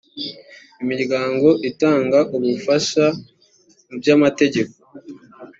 imiryango itanga ubufasha mu by amategeko